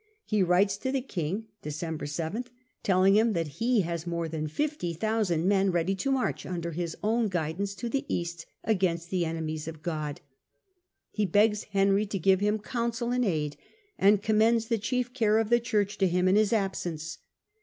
He writes to the king (December 7) telling him that he has more than 50,000 men ready to march, under his own guidance, to the East, against the enemies of God. He begs Henry to give him counsel and aid, and commends the chief care of the Church to him in his absence.